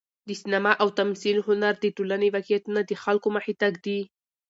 د سینما او تمثیل هنر د ټولنې واقعیتونه د خلکو مخې ته ږدي.